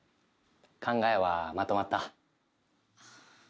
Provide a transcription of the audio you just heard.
考えはまとまった？